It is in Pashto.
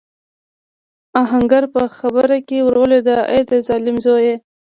آهنګر په خبره کې ور ولوېد: اې د ظالم زويه!